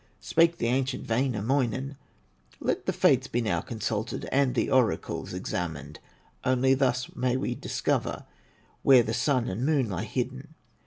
Spake the ancient Wainamoinen: "Let the Fates be now consulted, And the oracles examined; Only thus may we discover Where the Sun and Moon lie hidden."